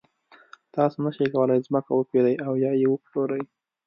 تاسو نشئ کولای ځمکه وپېرئ او یا یې وپلورئ.